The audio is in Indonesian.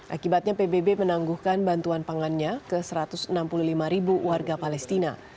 akibatnya pbb menangguhkan bantuan pangannya ke satu ratus enam puluh lima ribu warga palestina